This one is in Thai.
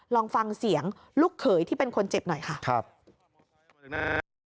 ลองฟังเสียงลูกเขยที่เป็นคนเจ็บหน่อยค่ะครับ